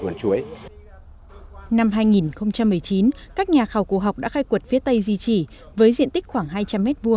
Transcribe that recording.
năm hai nghìn một mươi chín các nhà khảo cổ học đã khai quật phía tây di trị với diện tích khoảng hai trăm linh m hai